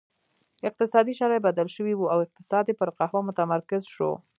اقتصادي شرایط بدل شوي وو او اقتصاد یې پر قهوه متمرکز شو.